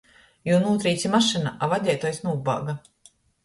Jū nūtrīce mašyna, a vadeituojs nūbāga.